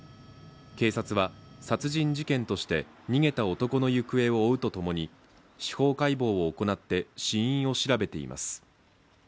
警察は殺人事件として逃げた男の行方を追うとともに司法解剖を行って死因を調べています。